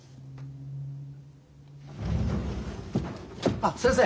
あっ先生。